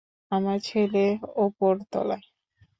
আমার ছেলে ওপরতলায়।